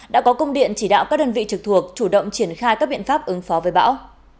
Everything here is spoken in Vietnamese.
đã có công điện chỉ đạo các đơn vị trực thuộc chủ động triển khai các biện pháp ứng phó với bão